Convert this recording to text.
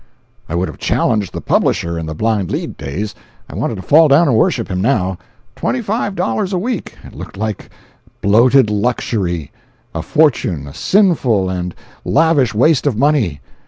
I would have challenged the publisher in the "blind lead" days—I wanted to fall down and worship him, now. Twenty Five Dollars a week—it looked like bloated luxury—a fortune a sinful and lavish waste of money.